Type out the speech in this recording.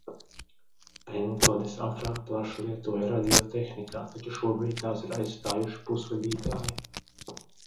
Pentodes agrāk plaši lietoja radiotehnikā, taču šobrīd tās ir aizstājuši pusvadītāji.